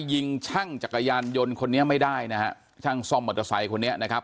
ยิงช่างจักรยานยนต์คนนี้ไม่ได้นะฮะช่างซ่อมมอเตอร์ไซค์คนนี้นะครับ